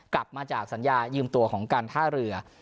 กลับมาจากสัญญายืมตัวของการท่าเรือ